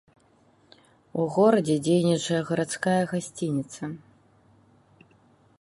У горадзе дзейнічае гарадская гасцініца.